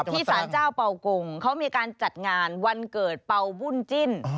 ที่สานเจ้าเปาลกงเขามีการจัดงานวันเกิดเปาบุ้นจิน